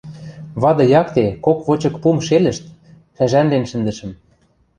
Вады якте кок вочык пум шелӹшт, шӓжӓнлен шӹндӹшӹм.